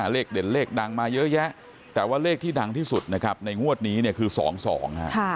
เลขเด่นเลขดังมาเยอะแยะแต่ว่าเลขที่ดังที่สุดนะครับในงวดนี้เนี่ยคือ๒๒ฮะ